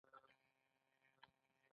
پانګوال کارګر ته د کار نیم وخت مزد ورکوي